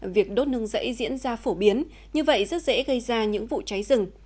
việc đốt nương dãy diễn ra phổ biến như vậy rất dễ gây ra những vụ cháy rừng